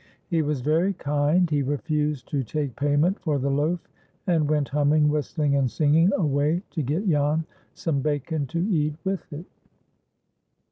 He was very kind. He refused to take payment for the loaf, and went, humming, whistling, and singing, away to get Jan some bacon to eat with it.